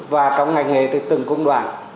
và trong ngành nghề từ từng cung đoạn